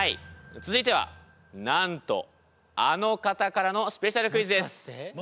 続いてはなんとあの方からのスペシャルクイズです。